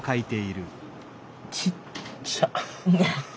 ちっちゃ。